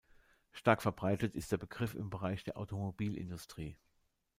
Stark verbreitet ist der Begriff im Bereich der Automobilindustrie.